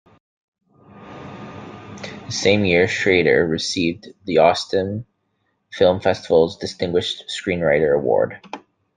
The same year, Schrader received the Austin Film Festival's Distinguished Screenwriter Award.